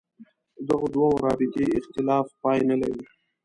دغو دوو رابطې اختلاف پای نه لري.